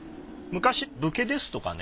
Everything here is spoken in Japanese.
昔武家ですとかね